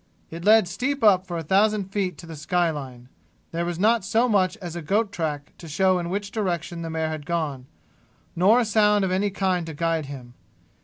It led steep up for a thousand feet to the sky line. There was not so much as a goat track to show in which direction the mare had gone, nor a sound of any kind to guide him.